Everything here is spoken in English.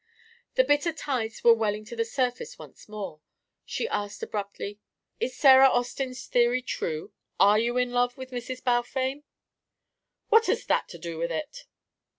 The bitter tides were welling to the surface once more. She asked abruptly: "Is Sarah Austin's theory true? Are you in love with Mrs. Balfame?" "What has that to do with it?"